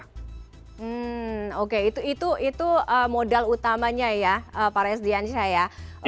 hmm oke itu modal utamanya ya pak resdiansyah ya